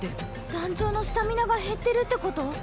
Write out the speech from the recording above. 団長のスタミナが減ってるってこと？